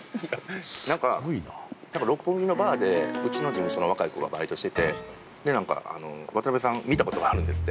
なんか多分六本木のバーでうちの事務所の若い子がバイトしててでなんか渡辺さん見たことがあるんですって。